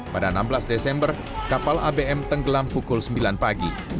pada enam belas desember kapal abm tenggelam pukul sembilan pagi